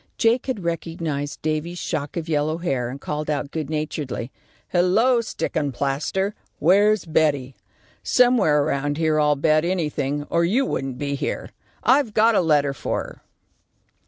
Jake had recognised Davy's shock of yellow hair, and called out, good naturedly, "Hello, stickin' plaster, where's Betty? Somewhere around here, I'll bet anything, or you wouldn't be here. I've got a letter for her."